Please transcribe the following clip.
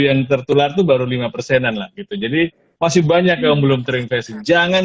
yang tertular tuh baru lima persenan lah gitu jadi masih banyak yang belum terinfeksi jangan